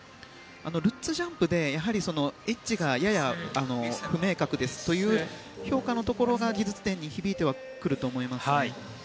ルッツジャンプでエッジがやや不明確という評価のところが技術点に響いてくると思います。